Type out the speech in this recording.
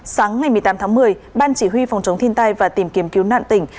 sáng ngày một mươi tám tháng một mươi ban chỉ huy phòng chống thiên tai và tìm kiếm cứu nạn tỉnh